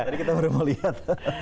tadi kita baru mau lihat